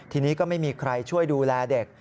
ทีนี้ก็ไม่มีใครช่วยดูแลเด็ก